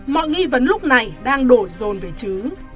mọi nghi vấn lúc này đang đổ rồn về chứ